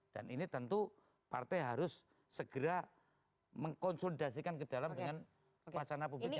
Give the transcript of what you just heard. dan ini tentu partai harus segera mengkonsultasikan ke dalam dengan pasangan publik yang berada di dalamnya